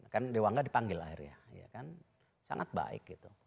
kan dewangga dipanggil akhirnya sangat baik